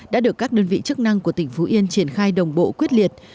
đã được các đơn vị chức năng của tỉnh phú yên triển khai đồng bộ quyết liệt